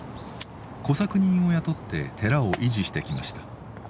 小作人を雇って寺を維持してきました。